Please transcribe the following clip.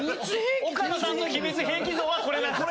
岡野さんの秘密兵器像はこれ。